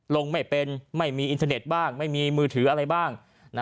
ไม่เป็นไม่มีอินเทอร์เน็ตบ้างไม่มีมือถืออะไรบ้าง